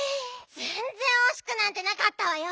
ぜんぜんおしくなんてなかったわよ。